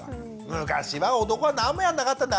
「昔は男はなんもやんなかったんだ」